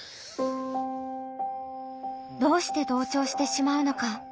どうして同調してしまうのか。